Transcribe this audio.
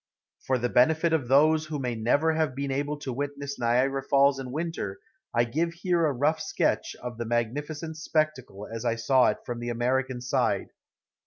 For the benefit of those who may never have been able to witness Niagara Falls in winter I give here a rough sketch of the magnificent spectacle as I saw it from the American side.